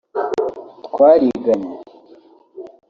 twariganye …